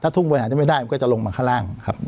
ถ้าทุ่งบริหารจะไม่ได้ก็จะลงมาข้างล่างครับ